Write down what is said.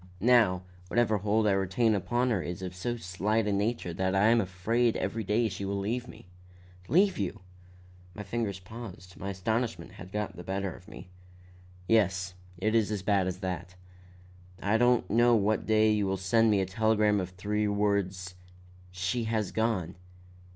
Now, whatever hold I still retain upon her is of so slight a nature that I am afraid every day she will leave me." "Leave you!" My fingers paused; my astonishment had got the better of me. "Yes; it is as bad as that. I don't know what day you will send me a telegram of three words, 'She has gone.